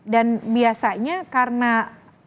dan biasanya karena misalnya